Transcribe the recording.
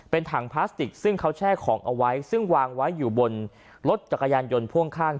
เป็นถังพลาสติกซึ่งเขาแช่ของเอาไว้ซึ่งวางไว้อยู่บนรถจักรยานยนต์พ่วงข้าง